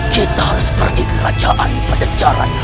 kita harus pergi ke kerajaan pajajaran